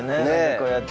こうやって。